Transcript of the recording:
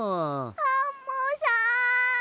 アンモさん。